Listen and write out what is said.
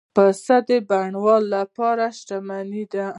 پسه د بڼوال لپاره شتمني ده.